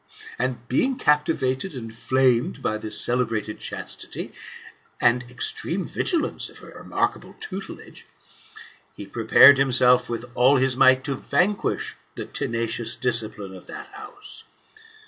And being captivated and inflamed by this celebrated chastity, and extreme vigilance of her remarkable tutelage, he prepared himself with all his might to vanquish the tenacious discipline of that house.